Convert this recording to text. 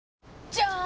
じゃーん！